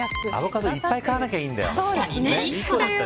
アボカド、いっぱい買わなきゃいいんだよ。